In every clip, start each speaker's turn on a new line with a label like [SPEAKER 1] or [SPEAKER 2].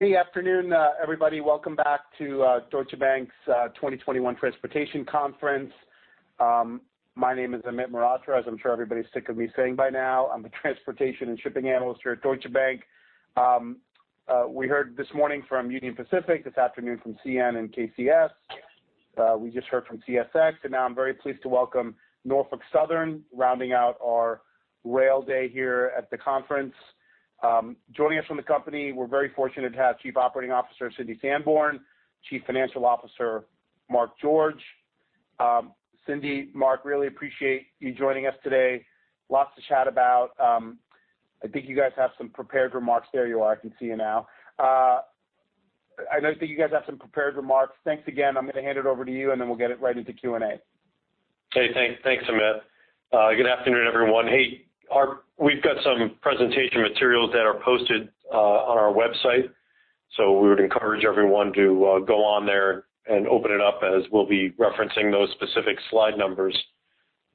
[SPEAKER 1] Good afternoon, everybody. Welcome back to Deutsche Bank's 2021 Transportation Conference. My name is Amit Mehrachra, as I'm sure everybody's sick of me saying by now. I'm the Transportation and Shipping Analyst here at Deutsche Bank. We heard this morning from Union Pacific, this afternoon from CN and KCS. We just heard from CSX, and now I'm very pleased to welcome Norfolk Southern rounding out our rail day here at the conference. Joining us from the company, we're very fortunate to have Chief Operating Officer Cindy Sanborn, Chief Financial Officer Mark George. Cindy, Mark, really appreciate you joining us today. Lots to chat about. I think you guys have some prepared remarks there. You are. I can see you now. I know you think you guys have some prepared remarks. Thanks again. I'm going to hand it over to you, and then we'll get it right into Q&A.
[SPEAKER 2] Hey, thanks, Amit. Good afternoon, everyone. We've got some presentation materials that are posted on our website, so we would encourage everyone to go on there and open it up as we'll be referencing those specific slide numbers.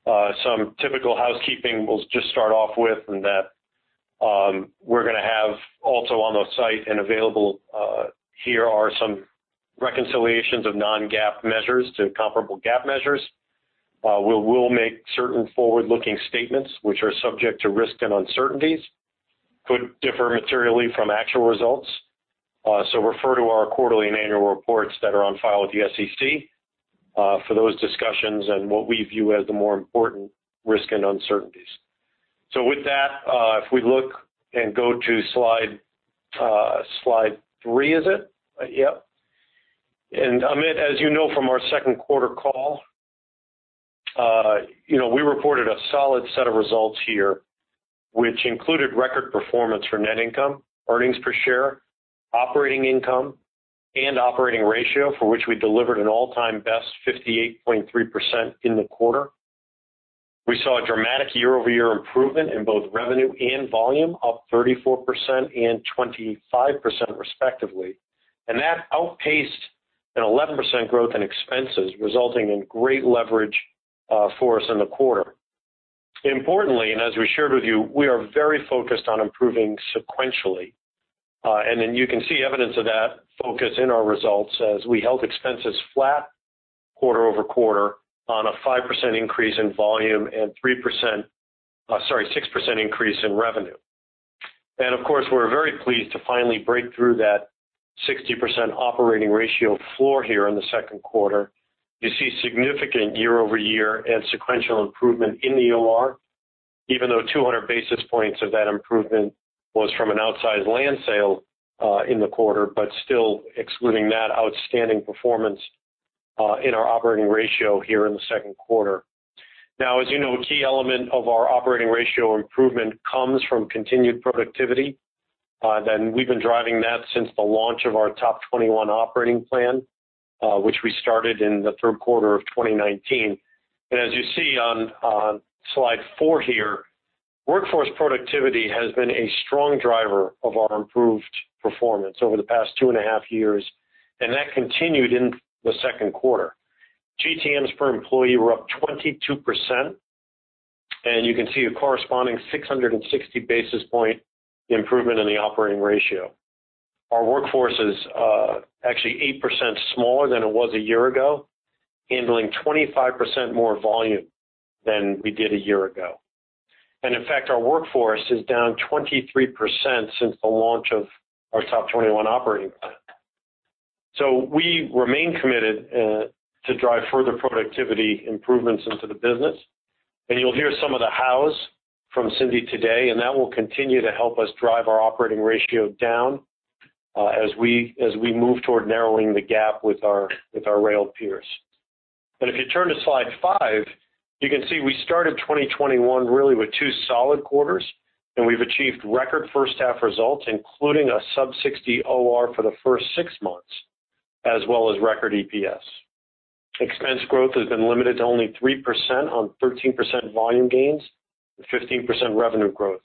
[SPEAKER 2] Some typical housekeeping we'll just start off with and that we're going to have also on the site and available here are some reconciliations of non-GAAP measures to comparable GAAP measures. We'll make certain forward-looking statements which are subject to risk and uncertainties, could differ materially from actual results. Refer to our quarterly and annual reports that are on file with the SEC for those discussions and what we view as the more important risk and uncertainties. With that, if we look and go to slide three, is it?
[SPEAKER 1] Yep.
[SPEAKER 2] Amit, as you know from our second quarter call, we reported a solid set of results here which included record performance for net income, earnings per share, operating income, and operating ratio for which we delivered an all-time best 58.3% in the quarter. We saw a dramatic year-over-year improvement in both revenue and volume, up 34% and 25% respectively. That outpaced an 11% growth in expenses, resulting in great leverage for us in the quarter. Importantly, as we shared with you, we are very focused on improving sequentially. You can see evidence of that focus in our results as we held expenses flat quarter over quarter on a 5% increase in volume and 3%, sorry, 6% increase in revenue. Of course, we're very pleased to finally break through that 60% operating ratio floor here in the second quarter. You see significant year-over-year and sequential improvement in the OR, even though 200 basis points of that improvement was from an outsized land sale in the quarter, but still excluding that, outstanding performance in our operating ratio here in the second quarter. Now, as you know, a key element of our operating ratio improvement comes from continued productivity. We have been driving that since the launch of our top 21 operating plan, which we started in the third quarter of 2019. As you see on slide four here, workforce productivity has been a strong driver of our improved performance over the past two and a half years, and that continued in the second quarter. GTMs per employee were up 22%, and you can see a corresponding 660 basis point improvement in the operating ratio. Our workforce is actually 8% smaller than it was a year ago, handling 25% more volume than we did a year ago. In fact, our workforce is down 23% since the launch of our top 21 operating plan. We remain committed to drive further productivity improvements into the business. You will hear some of the hows from Cindy today, and that will continue to help us drive our operating ratio down as we move toward narrowing the gap with our rail peers. If you turn to slide five, you can see we started 2021 really with two solid quarters, and we have achieved record first-half results, including a sub-60 OR for the first six months, as well as record EPS. Expense growth has been limited to only 3% on 13% volume gains and 15% revenue growth.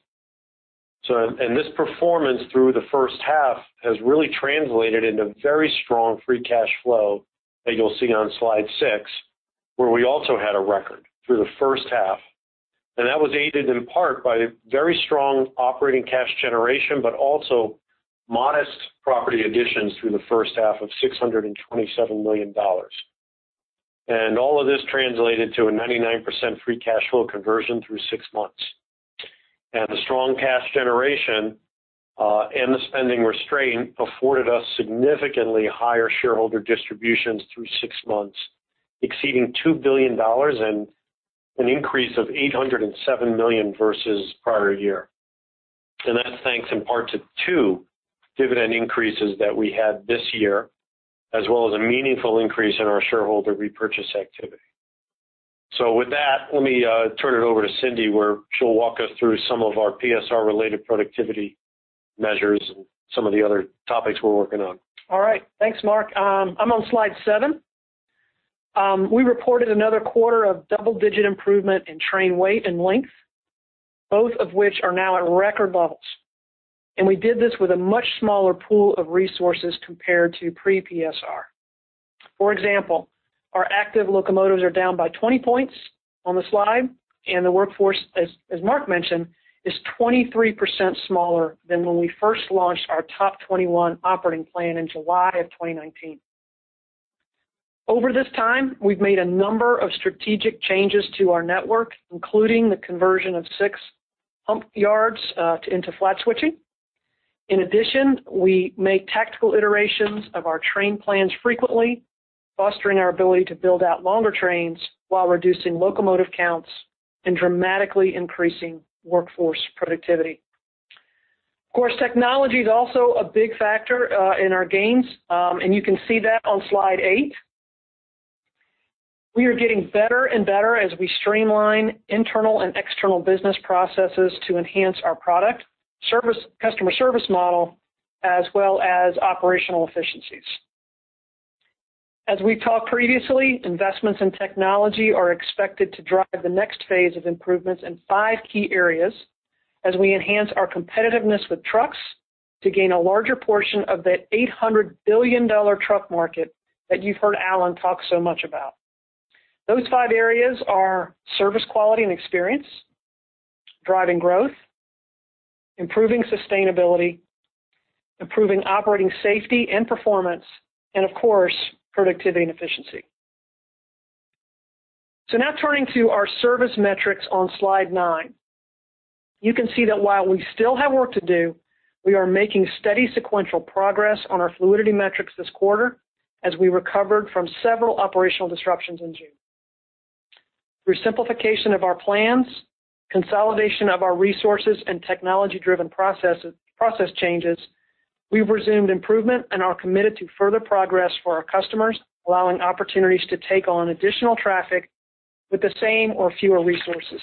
[SPEAKER 2] This performance through the first half has really translated into very strong free cash flow that you'll see on slide six, where we also had a record through the first half. That was aided in part by very strong operating cash generation, but also modest property additions through the first half of $627 million. All of this translated to a 99% free cash flow conversion through six months. The strong cash generation and the spending restraint afforded us significantly higher shareholder distributions through six months, exceeding $2 billion and an increase of $807 million versus prior year. That's thanks in part to two dividend increases that we had this year, as well as a meaningful increase in our shareholder repurchase activity. With that, let me turn it over to Cindy, where she'll walk us through some of our PSR-related productivity measures and some of the other topics we're working on.
[SPEAKER 3] All right. Thanks, Mark. I'm on slide seven. We reported another quarter of double-digit improvement in train weight and length, both of which are now at record levels. We did this with a much smaller pool of resources compared to pre-PSR. For example, our active locomotives are down by 20 points on the slide, and the workforce, as Mark mentioned, is 23% smaller than when we first launched our top 21 operating plan in July of 2019. Over this time, we've made a number of strategic changes to our network, including the conversion of six hump yards into flat switching. In addition, we make tactical iterations of our train plans frequently, fostering our ability to build out longer trains while reducing locomotive counts and dramatically increasing workforce productivity. Of course, technology is also a big factor in our gains, and you can see that on slide eight. We are getting better and better as we streamline internal and external business processes to enhance our product customer service model, as well as operational efficiencies. As we talked previously, investments in technology are expected to drive the next phase of improvements in five key areas as we enhance our competitiveness with trucks to gain a larger portion of that $800 billion truck market that you've heard Alan talk so much about. Those five areas are service quality and experience, driving growth, improving sustainability, improving operating safety and performance, and of course, productivity and efficiency. Now turning to our service metrics on slide nine, you can see that while we still have work to do, we are making steady sequential progress on our fluidity metrics this quarter as we recovered from several operational disruptions in June. Through simplification of our plans, consolidation of our resources, and technology-driven process changes, we've resumed improvement and are committed to further progress for our customers, allowing opportunities to take on additional traffic with the same or fewer resources.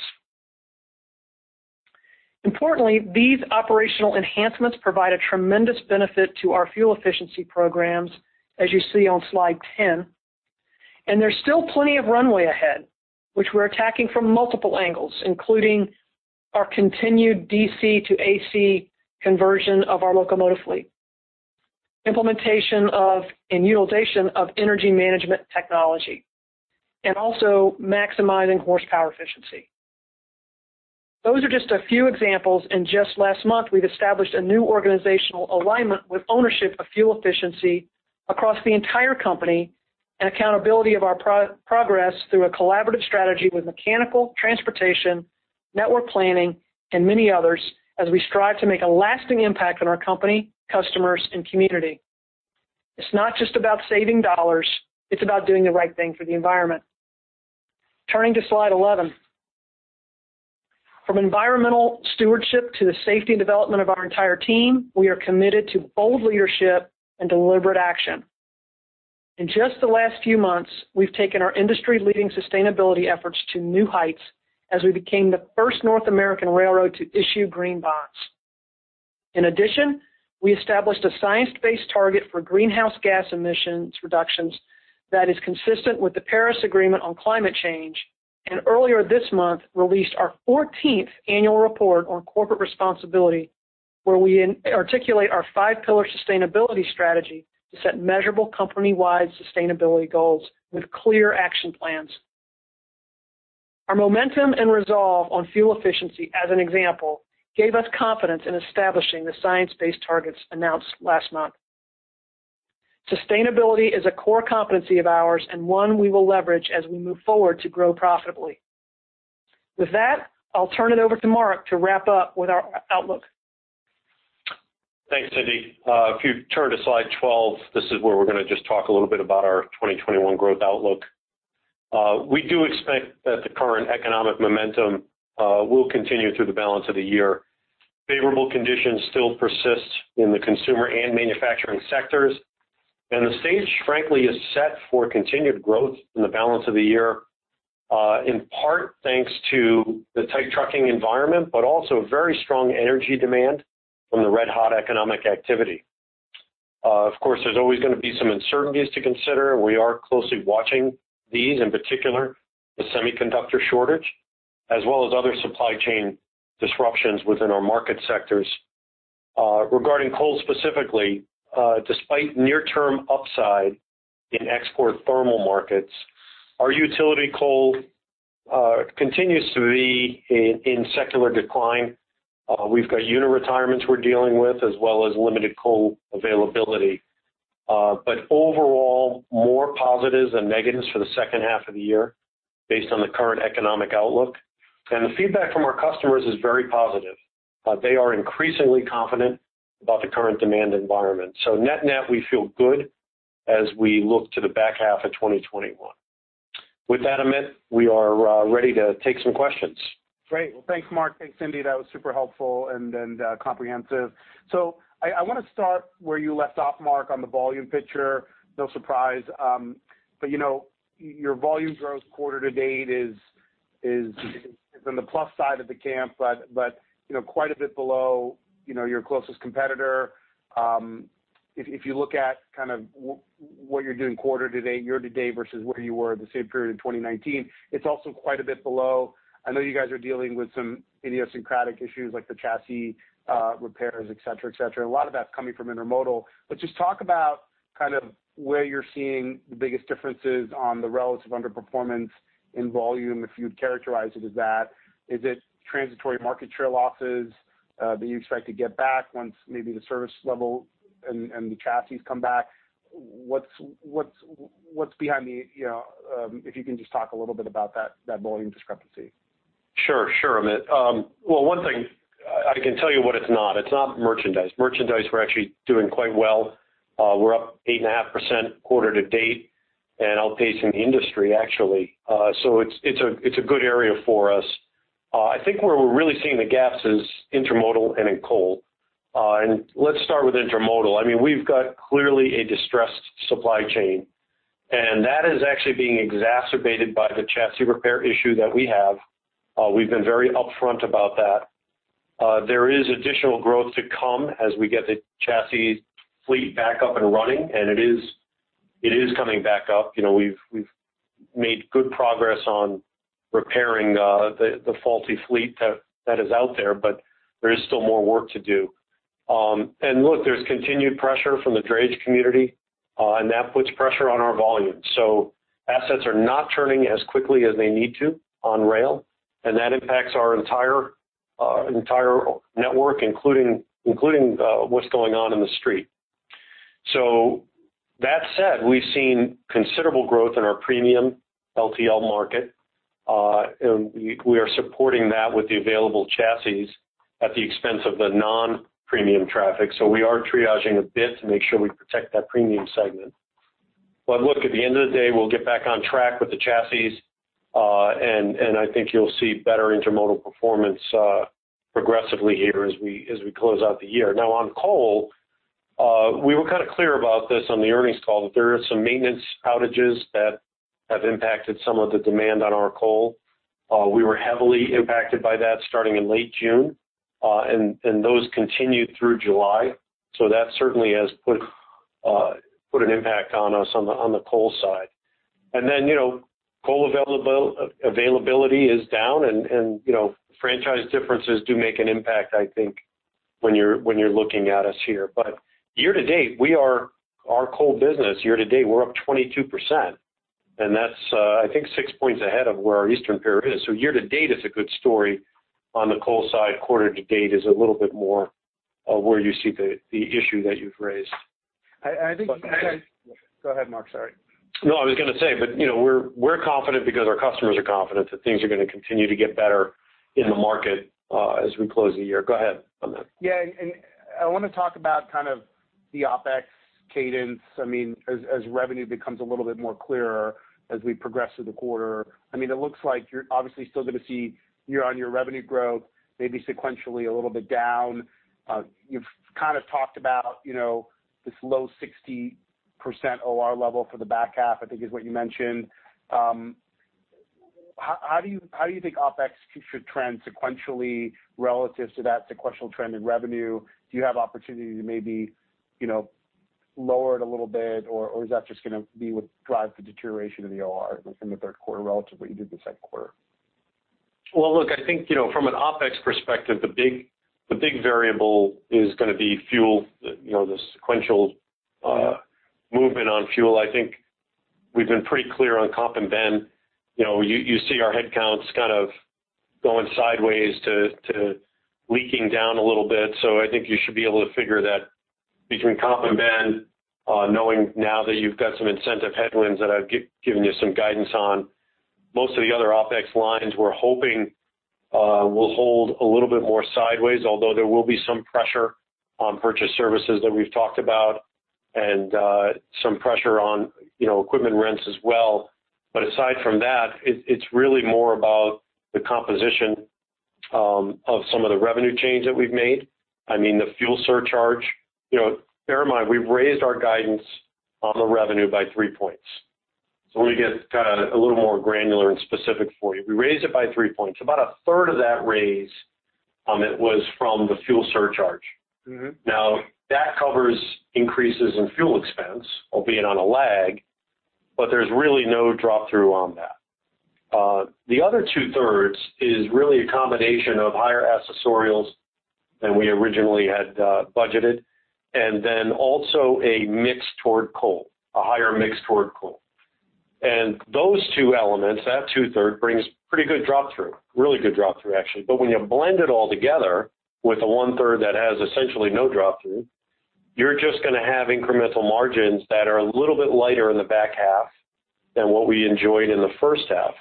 [SPEAKER 3] Importantly, these operational enhancements provide a tremendous benefit to our fuel efficiency programs, as you see on slide 10. There is still plenty of runway ahead, which we're attacking from multiple angles, including our continued DC to AC conversion of our locomotive fleet, implementation of and utilization of energy management technology, and also maximizing horsepower efficiency. Those are just a few examples. In just last month, we've established a new organizational alignment with ownership of fuel efficiency across the entire company and accountability of our progress through a collaborative strategy with mechanical, transportation, network planning, and many others as we strive to make a lasting impact on our company, customers, and community. It's not just about saving dollars. It's about doing the right thing for the environment. Turning to slide 11. From environmental stewardship to the safety and development of our entire team, we are committed to bold leadership and deliberate action. In just the last few months, we've taken our industry-leading sustainability efforts to new heights as we became the first North American railroad to issue green bonds. In addition, we established a science-based target for greenhouse gas emissions reductions that is consistent with the Paris Agreement on Climate Change. Earlier this month, we released our 14th annual report on corporate responsibility, where we articulate our five-pillar sustainability strategy to set measurable company-wide sustainability goals with clear action plans. Our momentum and resolve on fuel efficiency, as an example, gave us confidence in establishing the science-based targets announced last month. Sustainability is a core competency of ours and one we will leverage as we move forward to grow profitably. With that, I'll turn it over to Mark to wrap up with our outlook.
[SPEAKER 2] Thanks, Cindy. If you turn to slide 12, this is where we're going to just talk a little bit about our 2021 growth outlook. We do expect that the current economic momentum will continue through the balance of the year. Favorable conditions still persist in the consumer and manufacturing sectors. The stage, frankly, is set for continued growth in the balance of the year, in part thanks to the tight trucking environment, but also very strong energy demand from the red-hot economic activity. Of course, there's always going to be some uncertainties to consider. We are closely watching these, in particular the semiconductor shortage, as well as other supply chain disruptions within our market sectors. Regarding coal specifically, despite near-term upside in export thermal markets, our utility coal continues to be in secular decline. We've got unit retirements we're dealing with, as well as limited coal availability. Overall, more positives than negatives for the second half of the year based on the current economic outlook. The feedback from our customers is very positive. They are increasingly confident about the current demand environment. Net-net, we feel good as we look to the back half of 2021. With that, Amit, we are ready to take some questions.
[SPEAKER 1] Great. Thanks, Mark. Thanks, Cindy. That was super helpful and comprehensive. I want to start where you left off, Mark, on the volume picture. No surprise. Your volume growth quarter to date is on the plus side of the camp, but quite a bit below your closest competitor. If you look at kind of what you're doing quarter to date, year to date versus where you were the same period in 2019, it's also quite a bit below. I know you guys are dealing with some idiosyncratic issues like the chassis repairs, etc., etc. A lot of that's coming from intermodal. Just talk about kind of where you're seeing the biggest differences on the relative underperformance in volume, if you'd characterize it as that. Is it transitory market share losses that you expect to get back once maybe the service level and the chassis come back? What's behind the—if you can just talk a little bit about that volume discrepancy?
[SPEAKER 2] Sure, sure, Amit. One thing, I can tell you what it's not. It's not merchandise. Merchandise, we're actually doing quite well. We're up 8.5% quarter to date, and outpacing the industry, actually. It's a good area for us. I think where we're really seeing the gaps is intermodal and in coal. Let's start with intermodal. I mean, we've got clearly a distressed supply chain, and that is actually being exacerbated by the chassis repair issue that we have. We've been very upfront about that. There is additional growth to come as we get the chassis fleet back up and running, and it is coming back up. We've made good progress on repairing the faulty fleet that is out there, but there is still more work to do. Look, there's continued pressure from the drayage community, and that puts pressure on our volume. Assets are not turning as quickly as they need to on rail, and that impacts our entire network, including what's going on in the street. That said, we've seen considerable growth in our premium LTL market, and we are supporting that with the available chassis at the expense of the non-premium traffic. We are triaging a bit to make sure we protect that premium segment. At the end of the day, we'll get back on track with the chassis, and I think you'll see better intermodal performance progressively here as we close out the year. Now, on coal, we were kind of clear about this on the earnings call, that there are some maintenance outages that have impacted some of the demand on our coal. We were heavily impacted by that starting in late June, and those continued through July. That certainly has put an impact on us on the coal side. Then coal availability is down, and franchise differences do make an impact, I think, when you're looking at us here. Year to date, our coal business, year to date, we're up 22%, and that's, I think, six points ahead of where our Eastern peer is. Year to date is a good story on the coal side. Quarter to date is a little bit more where you see the issue that you've raised. I think.
[SPEAKER 1] Go ahead, Mark. Sorry.
[SPEAKER 2] No, I was going to say, but we're confident because our customers are confident that things are going to continue to get better in the market as we close the year. Go ahead, Amit.
[SPEAKER 1] Yeah. I want to talk about kind of the OpEx cadence. I mean, as revenue becomes a little bit more clear as we progress through the quarter, I mean, it looks like you're obviously still going to see year-on-year revenue growth, maybe sequentially a little bit down. You've kind of talked about this low 60% OR level for the back half, I think, is what you mentioned. How do you think OpEx should trend sequentially relative to that sequential trend in revenue? Do you have opportunity to maybe lower it a little bit, or is that just going to be what drives the deterioration of the OR in the third quarter relative to what you did the second quarter?
[SPEAKER 2] I think from an OPEX perspective, the big variable is going to be fuel, the sequential movement on fuel. I think we've been pretty clear on comp and bend. You see our headcounts kind of going sideways to leaking down a little bit. I think you should be able to figure that between comp and bend, knowing now that you've got some incentive headwinds that I've given you some guidance on. Most of the other OPEX lines we're hoping will hold a little bit more sideways, although there will be some pressure on purchase services that we've talked about and some pressure on equipment rents as well. Aside from that, it's really more about the composition of some of the revenue change that we've made. I mean, the fuel surcharge, bear in mind, we've raised our guidance on the revenue by three points. Let me get kind of a little more granular and specific for you. We raised it by three percentage points. About a third of that raise, Amit, was from the fuel surcharge. Now, that covers increases in fuel expense, albeit on a lag, but there's really no drop through on that. The other two-thirds is really a combination of higher accessorials than we originally had budgeted, and then also a mix toward coal, a higher mix toward coal. Those two elements, that two-thirds, brings pretty good drop through, really good drop through, actually. When you blend it all together with a one-third that has essentially no drop through, you're just going to have incremental margins that are a little bit lighter in the back half than what we enjoyed in the first half,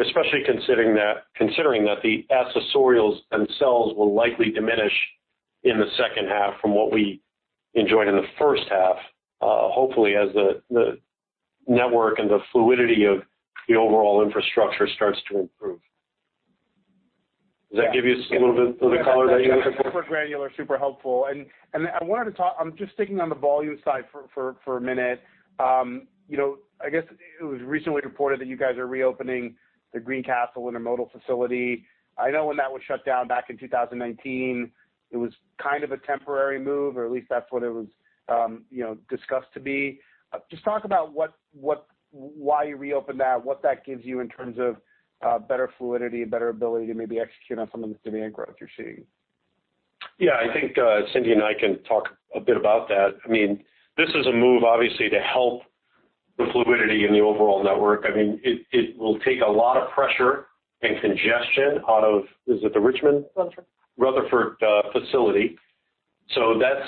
[SPEAKER 2] especially considering that the accessorials themselves will likely diminish in the second half from what we enjoyed in the first half, hopefully as the network and the fluidity of the overall infrastructure starts to improve. Does that give you a little bit of the color that you're looking for?
[SPEAKER 1] Super granular, super helpful. I wanted to talk—I'm just sticking on the volume side for a minute. I guess it was recently reported that you guys are reopening the Greencastle intermodal facility. I know when that was shut down back in 2019, it was kind of a temporary move, or at least that's what it was discussed to be. Just talk about why you reopened that, what that gives you in terms of better fluidity and better ability to maybe execute on some of the demand growth you're seeing.
[SPEAKER 2] Yeah. I think Cindy and I can talk a bit about that. I mean, this is a move, obviously, to help the fluidity in the overall network. I mean, it will take a lot of pressure and congestion out of—is it the Richmond?
[SPEAKER 3] Rutherford.
[SPEAKER 2] Rutherford facility. That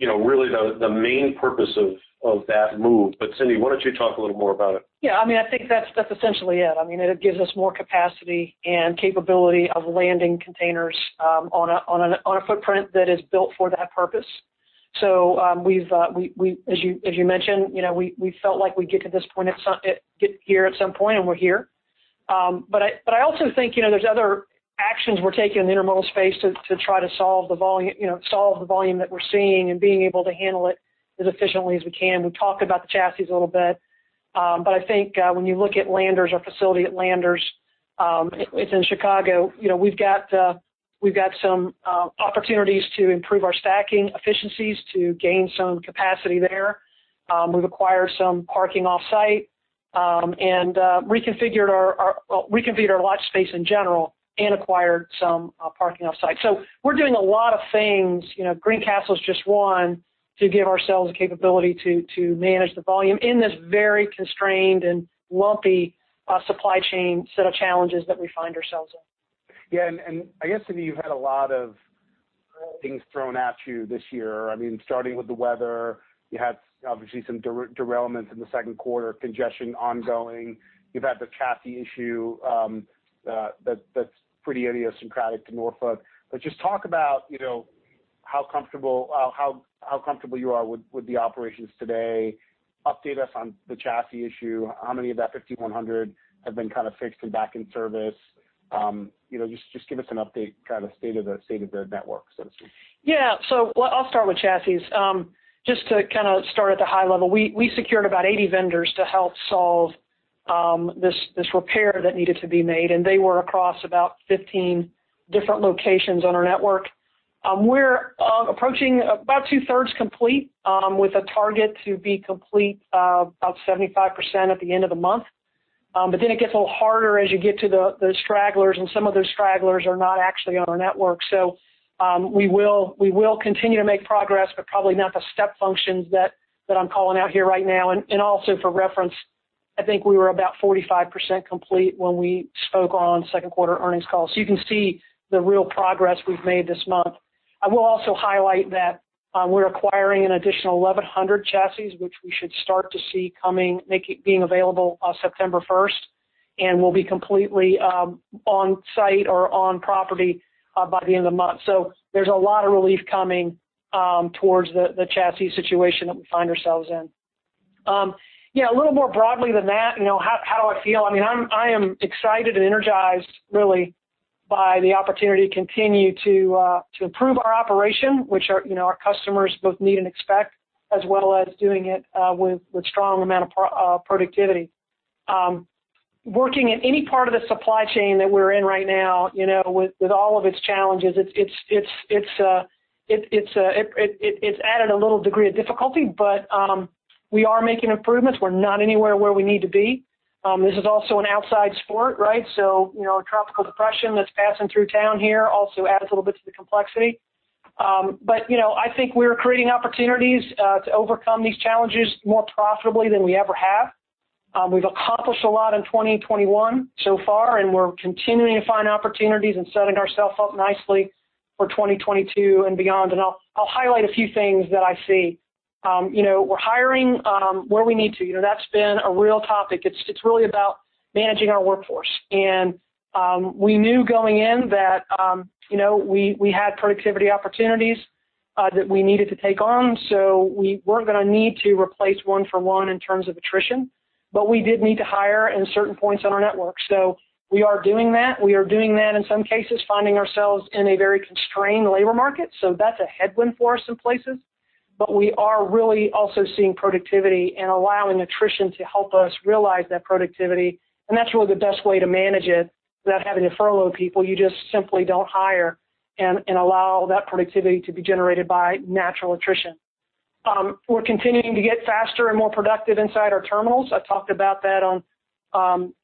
[SPEAKER 2] is really the main purpose of that move. Cindy, why don't you talk a little more about it?
[SPEAKER 3] Yeah. I mean, I think that's essentially it. I mean, it gives us more capacity and capability of landing containers on a footprint that is built for that purpose. As you mentioned, we felt like we'd get to this point here at some point, and we're here. I also think there's other actions we're taking in the intermodal space to try to solve the volume that we're seeing and being able to handle it as efficiently as we can. We've talked about the chassis a little bit. I think when you look at Landers, our facility at Landers, it's in Chicago, we've got some opportunities to improve our stacking efficiencies to gain some capacity there. We've acquired some parking off-site and reconfigured our lot space in general and acquired some parking off-site. We're doing a lot of things. Greencastle's just one to give ourselves the capability to manage the volume in this very constrained and lumpy supply chain set of challenges that we find ourselves in.
[SPEAKER 1] Yeah. I guess, Cindy, you've had a lot of things thrown at you this year. I mean, starting with the weather, you had obviously some derailments in the second quarter, congestion ongoing. You've had the chassis issue that's pretty idiosyncratic to Norfolk. Just talk about how comfortable you are with the operations today. Update us on the chassis issue. How many of that 5,100 have been kind of fixed and back in service? Just give us an update, kind of state of the network, so to speak.
[SPEAKER 3] Yeah. I'll start with chassis. Just to kind of start at the high level, we secured about 80 vendors to help solve this repair that needed to be made, and they were across about 15 different locations on our network. We're approaching about two-thirds complete with a target to be complete about 75% at the end of the month. It gets a little harder as you get to the stragglers, and some of those stragglers are not actually on our network. We will continue to make progress, but probably not the step functions that I'm calling out here right now. Also for reference, I think we were about 45% complete when we spoke on second quarter earnings call. You can see the real progress we've made this month. I will also highlight that we're acquiring an additional 1,100 chassis, which we should start to see coming, being available September 1, and we'll be completely on-site or on property by the end of the month. There is a lot of relief coming towards the chassis situation that we find ourselves in. Yeah. A little more broadly than that, how do I feel? I mean, I am excited and energized, really, by the opportunity to continue to improve our operation, which our customers both need and expect, as well as doing it with a strong amount of productivity. Working in any part of the supply chain that we're in right now, with all of its challenges, it's added a little degree of difficulty, but we are making improvements. We're not anywhere where we need to be. This is also an outside sport, right? A tropical depression that's passing through town here also adds a little bit to the complexity. I think we're creating opportunities to overcome these challenges more profitably than we ever have. We've accomplished a lot in 2021 so far, and we're continuing to find opportunities and setting ourselves up nicely for 2022 and beyond. I'll highlight a few things that I see. We're hiring where we need to. That's been a real topic. It's really about managing our workforce. We knew going in that we had productivity opportunities that we needed to take on. We weren't going to need to replace one-for-one in terms of attrition, but we did need to hire in certain points on our network. We are doing that. We are doing that in some cases, finding ourselves in a very constrained labor market. That's a headwind for us in places. We are really also seeing productivity and allowing attrition to help us realize that productivity. That's really the best way to manage it without having to furlough people. You just simply do not hire and allow that productivity to be generated by natural attrition. We are continuing to get faster and more productive inside our terminals. I talked about that on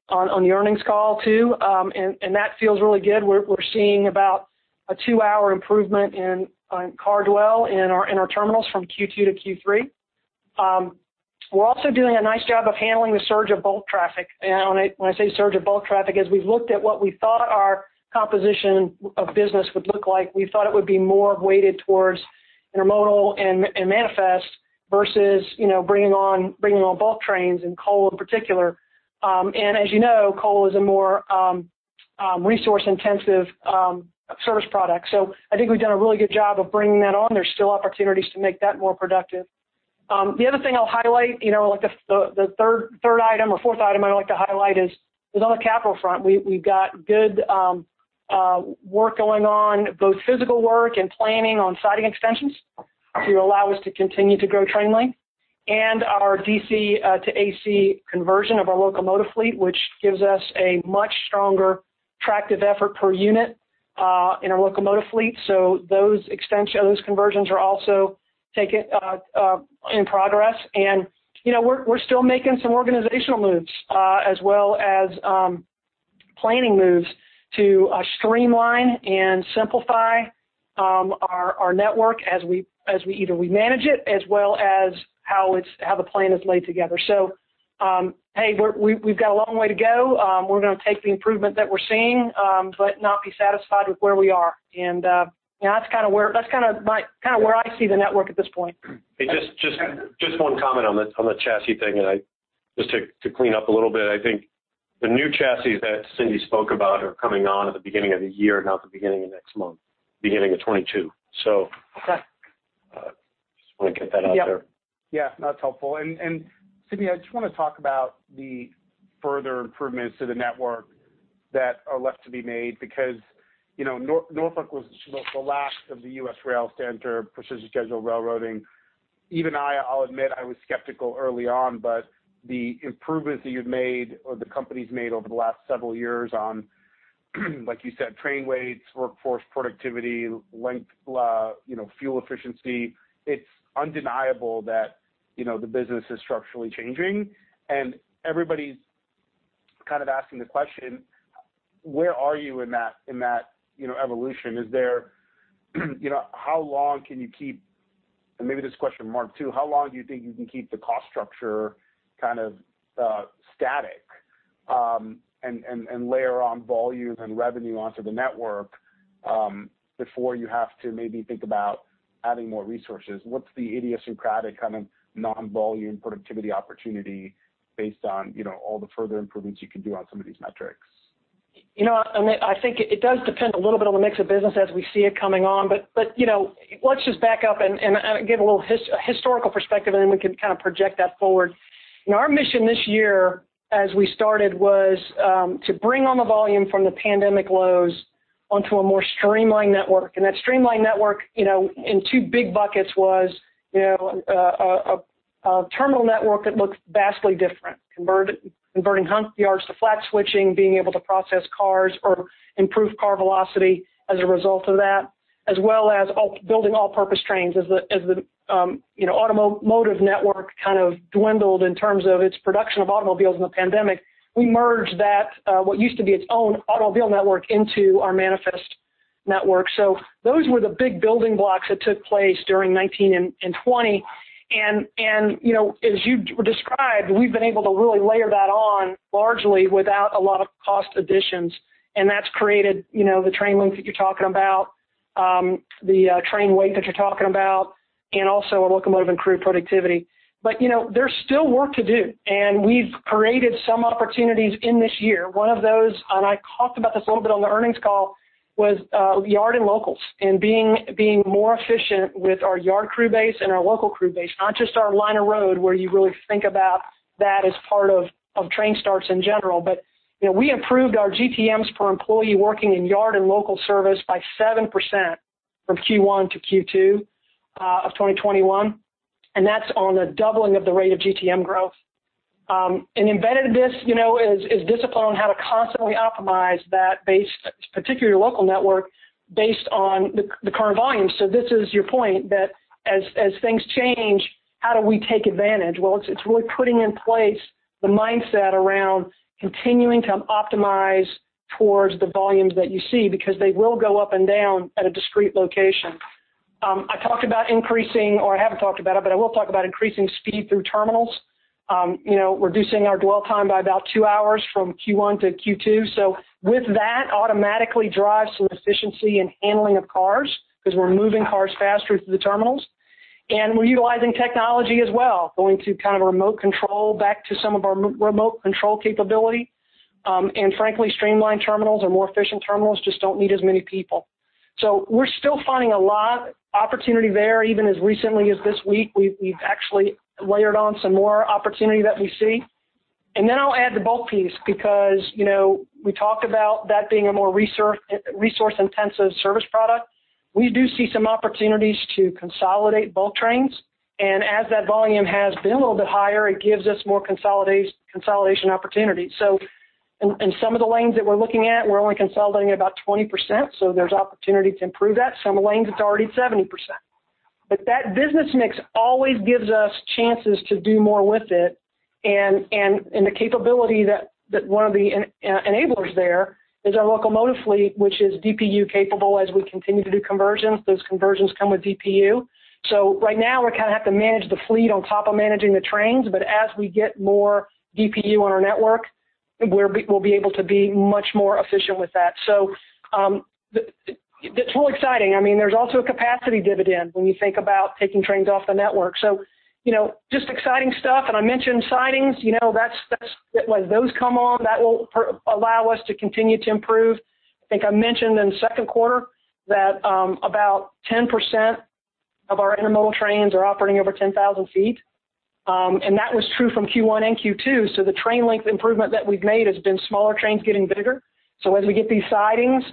[SPEAKER 3] the earnings call too, and that feels really good. We are seeing about a two-hour improvement in our terminals from Q2 to Q3. We are also doing a nice job of handling the surge of bulk traffic. When I say surge of bulk traffic, as we have looked at what we thought our composition of business would look like, we thought it would be more weighted towards intermodal and manifest versus bringing on bulk trains and coal in particular. As you know, coal is a more resource-intensive service product. I think we've done a really good job of bringing that on. There's still opportunities to make that more productive. The other thing I'll highlight, like the third item or fourth item I'd like to highlight, is on the capital front, we've got good work going on, both physical work and planning on siding extensions to allow us to continue to grow train length. Our DC to AC conversion of our locomotive fleet gives us a much stronger tractive effort per unit in our locomotive fleet. Those conversions are also in progress. We're still making some organizational moves as well as planning moves to streamline and simplify our network as we either manage it as well as how the plan is laid together. We've got a long way to go. We're going to take the improvement that we're seeing, but not be satisfied with where we are. That's kind of where I see the network at this point.
[SPEAKER 2] Just one comment on the chassis thing, and just to clean up a little bit, I think the new chassis that Cindy spoke about are coming on at the beginning of the year, not the beginning of next month, beginning of 2022. So I just want to get that out there.
[SPEAKER 1] Yeah. Yeah. That's helpful. Cindy, I just want to talk about the further improvements to the network that are left to be made because Norfolk was the last of the US rail standard precision schedule railroading. Even I'll admit I was skeptical early on, but the improvements that you've made or the company's made over the last several years on, like you said, train weights, workforce productivity, length, fuel efficiency, it's undeniable that the business is structurally changing. Everybody's kind of asking the question, where are you in that evolution? Is there how long can you keep—and maybe this question marks too—how long do you think you can keep the cost structure kind of static and layer on volume and revenue onto the network before you have to maybe think about adding more resources? What's the idiosyncratic kind of non-volume productivity opportunity based on all the further improvements you can do on some of these metrics?
[SPEAKER 3] You know what? I think it does depend a little bit on the mix of business as we see it coming on. Let's just back up and get a little historical perspective, and then we can kind of project that forward. Our mission this year, as we started, was to bring on the volume from the pandemic lows onto a more streamlined network. That streamlined network in two big buckets was a terminal network that looked vastly different: converting hump yards to flat switching, being able to process cars or improve car velocity as a result of that, as well as building all-purpose trains. As the automotive network kind of dwindled in terms of its production of automobiles in the pandemic, we merged that, what used to be its own automobile network, into our manifest network. Those were the big building blocks that took place during 2019 and 2020. As you described, we've been able to really layer that on largely without a lot of cost additions. That has created the train length that you're talking about, the train weight that you're talking about, and also our locomotive and crew productivity. There is still work to do. We've created some opportunities in this year. One of those—I talked about this a little bit on the earnings call—was yard and locals and being more efficient with our yard crew base and our local crew base, not just our line of road where you really think about that as part of train starts in general. We improved our GTMs per employee working in yard and local service by 7% from Q1-Q2 of 2021. That's on a doubling of the rate of GTM growth. Embedded in this is discipline on how to constantly optimize that particular local network based on the current volume. This is your point that as things change, how do we take advantage? It is really putting in place the mindset around continuing to optimize towards the volumes that you see because they will go up and down at a discrete location. I talked about increasing—or I have not talked about it, but I will talk about increasing speed through terminals, reducing our dwell time by about two hours from Q1 to Q2. That automatically drives some efficiency in handling of cars because we are moving cars faster through the terminals. We are utilizing technology as well, going to kind of remote control back to some of our remote control capability. Frankly, streamlined terminals are more efficient. Terminals just do not need as many people. We are still finding a lot of opportunity there. Even as recently as this week, we have actually layered on some more opportunity that we see. I will add the bulk piece because we talked about that being a more resource-intensive service product. We do see some opportunities to consolidate bulk trains. As that volume has been a little bit higher, it gives us more consolidation opportunity. In some of the lanes that we are looking at, we are only consolidating about 20%. There is opportunity to improve that. Some lanes, it is already 70%. That business mix always gives us chances to do more with it. The capability that one of the enablers there is our locomotive fleet, which is DPU capable as we continue to do conversions. Those conversions come with DPU. Right now, we kind of have to manage the fleet on top of managing the trains. As we get more DPU on our network, we'll be able to be much more efficient with that. That's really exciting. I mean, there's also a capacity dividend when you think about taking trains off the network. Just exciting stuff. I mentioned sidings. As those come on, that will allow us to continue to improve. I think I mentioned in the second quarter that about 10% of our intermodal trains are operating over 10,000 ft. That was true from Q1 and Q2. The train length improvement that we've made has been smaller trains getting bigger. As we get these sidings,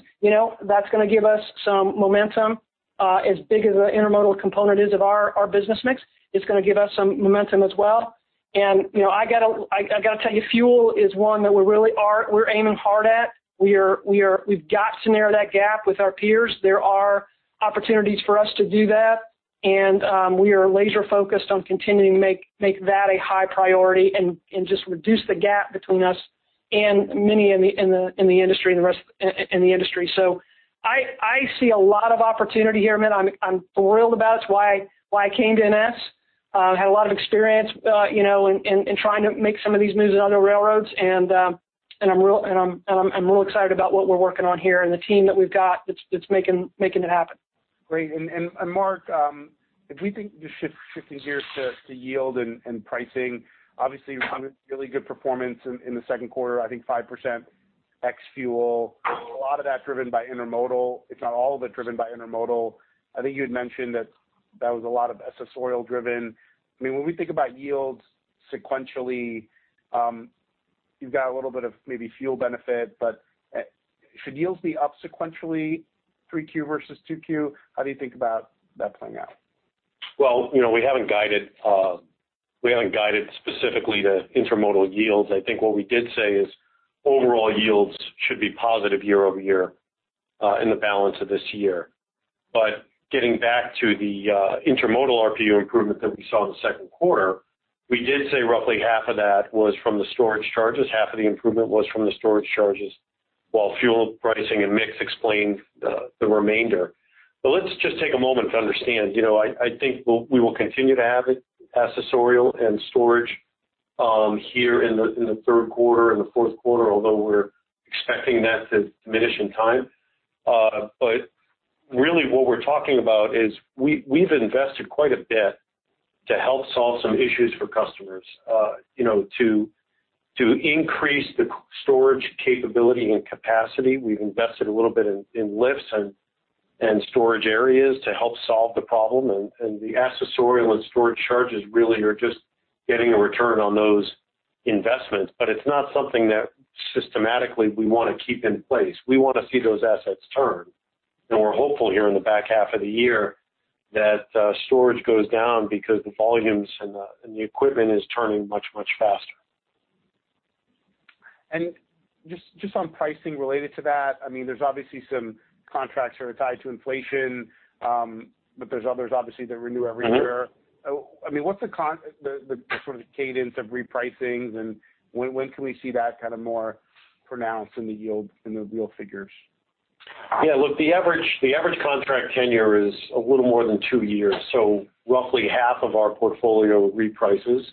[SPEAKER 3] that's going to give us some momentum. As big as the intermodal component is of our business mix, it's going to give us some momentum as well. I got to tell you, fuel is one that we're aiming hard at. We've got to narrow that gap with our peers. There are opportunities for us to do that. We are laser-focused on continuing to make that a high priority and just reduce the gap between us and many in the industry and the rest in the industry. I see a lot of opportunity here, man. I'm thrilled about it. It's why I came to NS. I had a lot of experience in trying to make some of these moves in other railroads. I'm really excited about what we're working on here and the team that we've got that's making it happen.
[SPEAKER 1] Great. Mark, if we think just shifting gears to yield and pricing, obviously, we're talking about really good performance in the second quarter, I think 5% X fuel. A lot of that driven by intermodal, if not all of it driven by intermodal. I think you had mentioned that that was a lot of SS oil driven. I mean, when we think about yields sequentially, you've got a little bit of maybe fuel benefit. Should yields be up sequentially 3Q versus 2Q? How do you think about that playing out?
[SPEAKER 2] We have not guided specifically to intermodal yields. I think what we did say is overall yields should be positive year over year in the balance of this year. Getting back to the intermodal RPU improvement that we saw in the second quarter, we did say roughly half of that was from the storage charges. Half of the improvement was from the storage charges, while fuel pricing and mix explained the remainder. Let's just take a moment to understand. I think we will continue to have it, SS oil and storage here in the third quarter and the fourth quarter, although we are expecting that to diminish in time. What we are talking about is we have invested quite a bit to help solve some issues for customers, to increase the storage capability and capacity. We've invested a little bit in lifts and storage areas to help solve the problem. The SS oil and storage charges really are just getting a return on those investments. It is not something that systematically we want to keep in place. We want to see those assets turn. We are hopeful here in the back half of the year that storage goes down because the volumes and the equipment is turning much, much faster.
[SPEAKER 1] Just on pricing related to that, I mean, there's obviously some contracts that are tied to inflation, but there's others obviously that renew every year. I mean, what's the sort of cadence of repricing? When can we see that kind of more pronounced in the yield and the real figures?
[SPEAKER 2] Yeah. Look, the average contract tenure is a little more than two years. So roughly half of our portfolio reprices.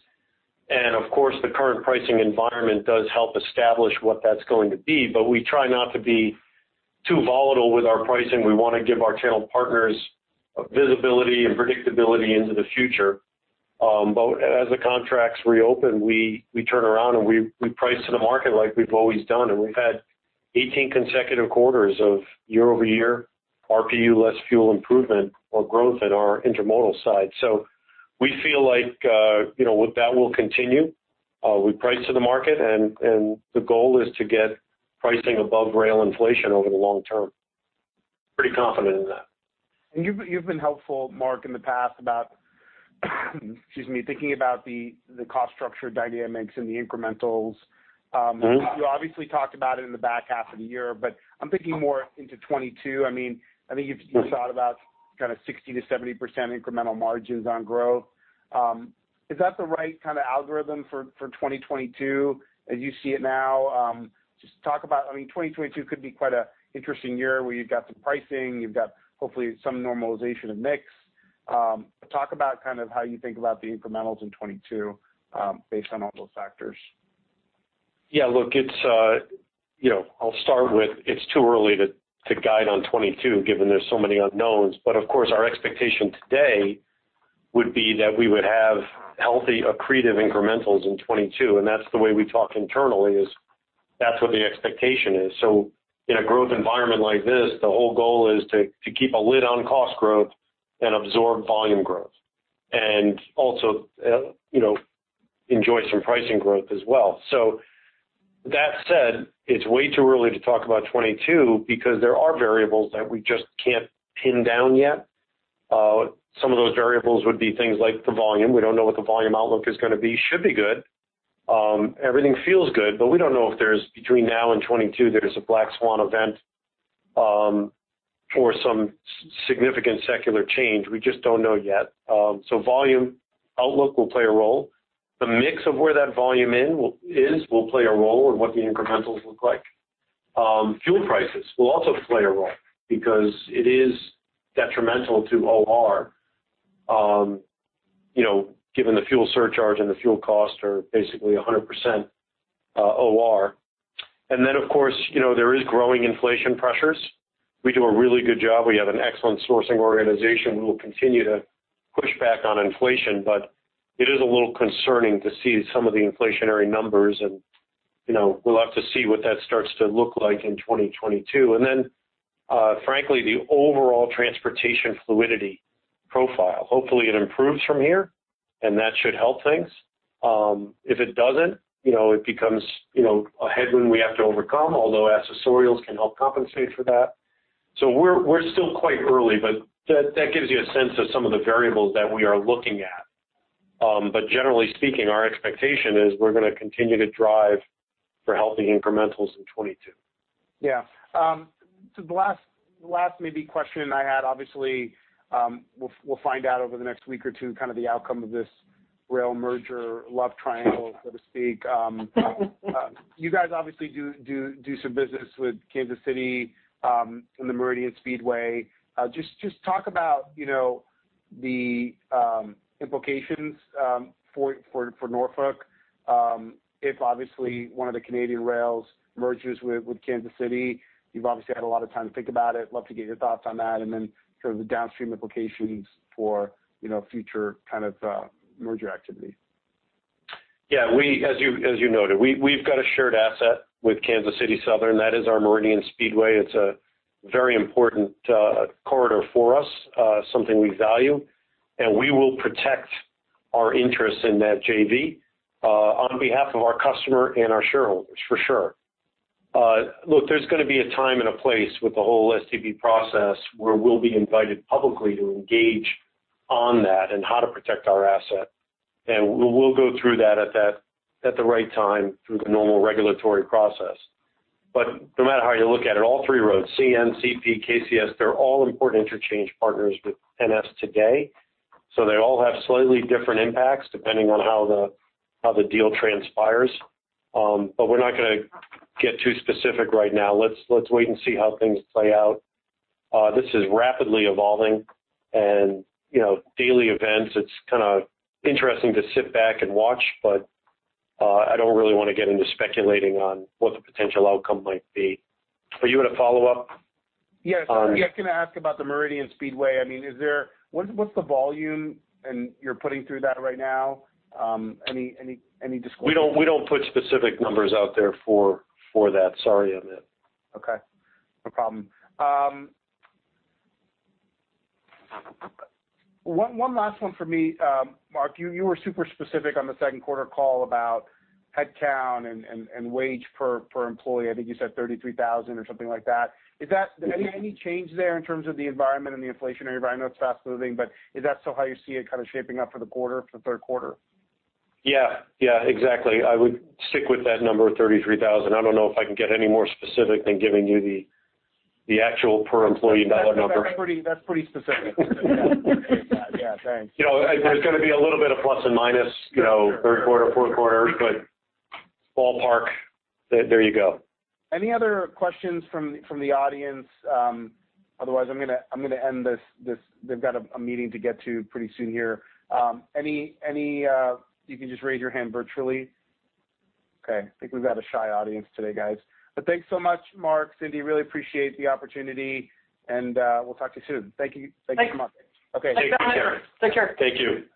[SPEAKER 2] Of course, the current pricing environment does help establish what that's going to be. We try not to be too volatile with our pricing. We want to give our channel partners visibility and predictability into the future. As the contracts reopen, we turn around and we price to the market like we've always done. We've had 18 consecutive quarters of year over year RPU less fuel improvement or growth in our intermodal side. We feel like that will continue. We price to the market. The goal is to get pricing above rail inflation over the long term. Pretty confident in that.
[SPEAKER 1] You have been helpful, Mark, in the past about, excuse me, thinking about the cost structure dynamics and the incrementals. You obviously talked about it in the back half of the year, but I am thinking more into 2022. I mean, I think you have thought about kind of 60%-70% incremental margins on growth. Is that the right kind of algorithm for 2022 as you see it now? Just talk about, I mean, 2022 could be quite an interesting year where you have got some pricing, you have got hopefully some normalization of mix. Talk about kind of how you think about the incrementals in 2022 based on all those factors.
[SPEAKER 2] Yeah. Look, I'll start with it's too early to guide on 2022 given there's so many unknowns. Of course, our expectation today would be that we would have healthy, accretive incrementals in 2022. That's the way we talk internally is that's what the expectation is. In a growth environment like this, the whole goal is to keep a lid on cost growth and absorb volume growth and also enjoy some pricing growth as well. That said, it's way too early to talk about 2022 because there are variables that we just can't pin down yet. Some of those variables would be things like the volume. We don't know what the volume outlook is going to be. Should be good. Everything feels good. We don't know if there's between now and 2022, there's a black swan event or some significant secular change. We just don't know yet. Volume outlook will play a role. The mix of where that volume is will play a role in what the incrementals look like. Fuel prices will also play a role because it is detrimental to OR given the fuel surcharge and the fuel cost are basically 100% OR. There are growing inflation pressures. We do a really good job. We have an excellent sourcing organization. We will continue to push back on inflation. It is a little concerning to see some of the inflationary numbers. We will have to see what that starts to look like in 2022. Frankly, the overall transportation fluidity profile, hopefully, it improves from here, and that should help things. If it doesn't, it becomes a headwind we have to overcome, although SS oils can help compensate for that. We're still quite early. That gives you a sense of some of the variables that we are looking at. Generally speaking, our expectation is we're going to continue to drive for healthy incrementals in 2022.
[SPEAKER 1] Yeah. The last maybe question I had, obviously, we'll find out over the next week or two kind of the outcome of this rail merger love triangle, so to speak. You guys obviously do some business with Kansas City and the Meridian Speedway. Just talk about the implications for Norfolk. If obviously one of the Canadian rails merges with Kansas City, you've obviously had a lot of time to think about it. Love to get your thoughts on that. And then sort of the downstream implications for future kind of merger activity.
[SPEAKER 2] Yeah. As you noted, we've got a shared asset with Kansas City Southern. That is our Meridian Speedway. It's a very important corridor for us, something we value. We will protect our interests in that JV on behalf of our customer and our shareholders, for sure. Look, there's going to be a time and a place with the whole STB process where we'll be invited publicly to engage on that and how to protect our asset. We'll go through that at the right time through the normal regulatory process. No matter how you look at it, all three roads, CN, CP, KCS, they're all important interchange partners with NS today. They all have slightly different impacts depending on how the deal transpires. We're not going to get too specific right now. Let's wait and see how things play out. This is rapidly evolving and daily events. It's kind of interesting to sit back and watch, but I don't really want to get into speculating on what the potential outcome might be. Are you going to follow up?
[SPEAKER 1] Yeah. I was going to ask about the Meridian Speedway. I mean, what's the volume? And you're putting through that right now? Any disclosure?
[SPEAKER 2] We don't put specific numbers out there for that. Sorry on that.
[SPEAKER 1] Okay. No problem. One last one for me, Mark. You were super specific on the second quarter call about headcount and wage per employee. I think you said 33,000 or something like that. Is that any change there in terms of the environment and the inflationary environment? It's fast-moving. Is that still how you see it kind of shaping up for the quarter, for the third quarter?
[SPEAKER 2] Yeah. Yeah. Exactly. I would stick with that number 33,000. I do not know if I can get any more specific than giving you the actual per employee dollar number.
[SPEAKER 1] That's pretty specific. Yeah. Yeah. Thanks.
[SPEAKER 2] There's going to be a little bit of plus and minus, third quarter, fourth quarter, but ballpark, there you go.
[SPEAKER 1] Any other questions from the audience? Otherwise, I'm going to end this. They've got a meeting to get to pretty soon here. You can just raise your hand virtually. Okay. I think we've got a shy audience today, guys. Thanks so much, Mark, Cindy. Really appreciate the opportunity. We'll talk to you soon. Thank you so much.
[SPEAKER 4] Thanks.
[SPEAKER 2] Okay.
[SPEAKER 4] Take care.
[SPEAKER 3] Take care.
[SPEAKER 2] Take care.
[SPEAKER 3] Thank you.